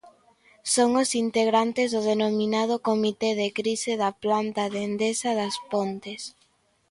Son os integrantes do denominado comité de crise da planta de Endesa das Pontes.